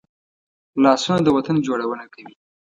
لاسونه د وطن جوړونه کوي